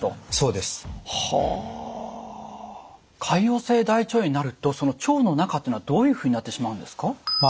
潰瘍性大腸炎になるとその腸の中っていうのはどういうふうになってしまうんですか？